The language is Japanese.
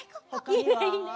いいねいいね。